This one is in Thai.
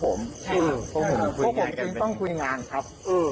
พวกผมจึงต้องคุยงานครับ